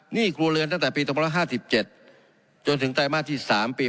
ครัวเรือนตั้งแต่ปี๒๕๗จนถึงไตรมาสที่๓ปี